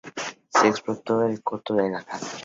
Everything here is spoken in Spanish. Se explota el coto de caza.